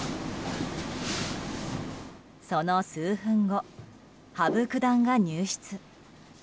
その数分後、羽生九段が入室。